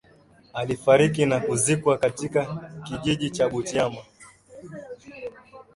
Alifariki na kuzikwa katika kijiji cha Butiama